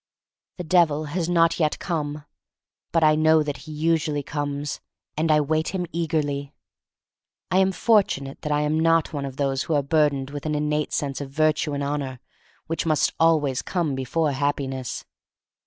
The Devil has not yet come. But I know that he usually comes, and I wait him eagerly. I am fortunate that I am not one of those who are burdened with an innate sense of virtue and honor which must come always before Happiness.